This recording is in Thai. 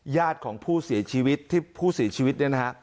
ญาติของผู้เสียชีวิตที่ผู้เสียชีวิตเนี่ยนะฮะ